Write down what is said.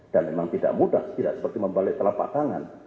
dan memang tidak mudah tidak seperti membalik telapak tangan